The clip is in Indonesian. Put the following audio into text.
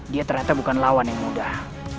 dia ternyata bukan lawan yang mudah